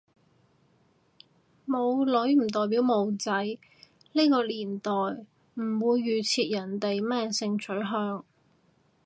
冇女唔代表冇仔，呢個年代唔會預設人哋咩性取向